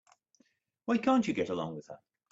Why can't you get along with her?